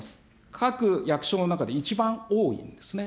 各役所の中で一番多いんですね。